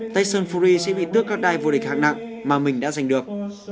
tyson fury sẽ bị tước các đai vua địch hạng nặng mà mình đã giành được